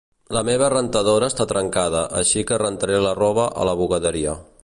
La meva rentadora està trencada, així que rentaré la roba a la bugaderia.